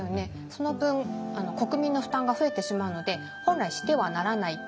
その分国民の負担が増えてしまうので本来してはならない。